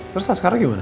terus ah sekarang gimana